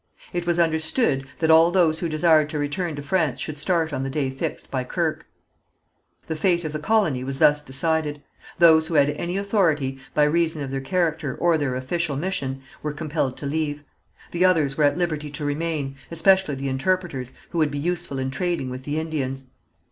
It was understood that all those who desired to return to France should start on the day fixed by Kirke. The fate of the colony was thus decided. Those who had any authority, by reason of their character or their official mission, were compelled to leave. The others were at liberty to remain, especially the interpreters, who would be useful in trading with the Indians.